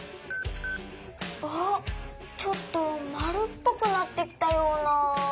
あっちょっとまるっぽくなってきたような。